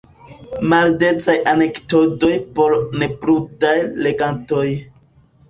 Maldecaj anekdotoj por neprudaj legantoj.